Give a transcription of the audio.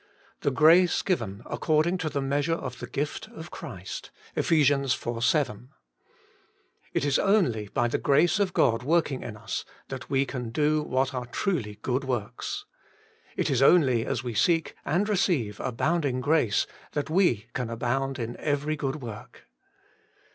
'The grace given accord ing to the measure of the gift of Christ ' (Eph. iv. 7). It is only by the grace of God working in us that we can do what are truly good works. It is only as we seek and receive abounding grace that we can abound in every good work.